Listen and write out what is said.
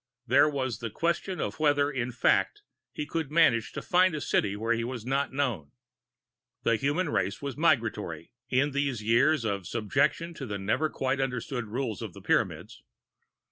And there was the question of whether, in fact, he could manage to find a city where he was not known. The human race was migratory, in these years of subjection to the never quite understood rule of the Pyramids.